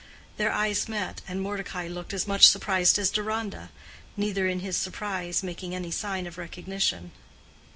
Their eyes met, and Mordecai looked as much surprised as Deronda—neither in his surprise making any sign of recognition.